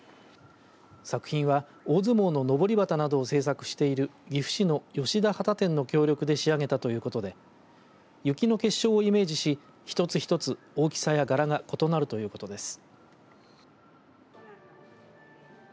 作品は大相撲ののぼり旗などを製作している岐阜市の吉田旗店の協力で仕上げたということで雪の結晶をイメージし一つ一つ大きさや柄が異なるということです。